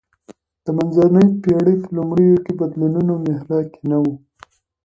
د منځنۍ پېړۍ په لومړیو کې بدلونونو محراق کې نه و